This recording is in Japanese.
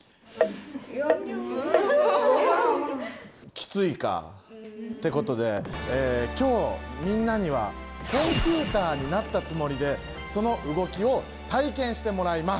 きついか。ってことで今日みんなにはコンピュータになったつもりでその動きを体験してもらいます！